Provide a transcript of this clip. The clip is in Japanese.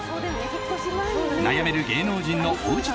悩める芸能人のおうち